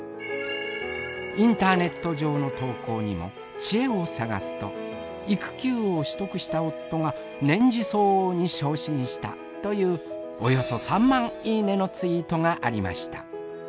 インターネット上の投稿にもチエを探すと育休を取得した夫が年次相応に昇進したというおよそ３万いいねのツイートがありました。